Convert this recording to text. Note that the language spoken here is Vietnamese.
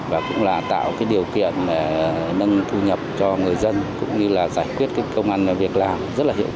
và cũng là tạo điều kiện nâng thu nhập cho người dân cũng như là giải quyết công an việc làm rất là hiệu quả